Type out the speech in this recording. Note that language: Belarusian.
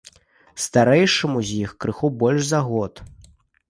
Старэйшаму з іх крыху больш за год.